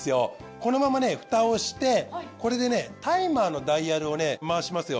このままね蓋をしてこれでねタイマーのダイヤルをね回しますよ。